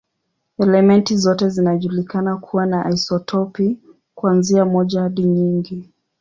Elementi zote zinajulikana kuwa na isotopi, kuanzia moja hadi nyingi.